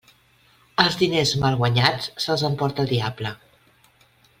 Els diners mal guanyats se'ls emporta el diable.